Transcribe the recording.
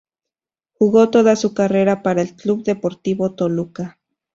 Jugó toda su carrera para el Club Deportivo Toluca.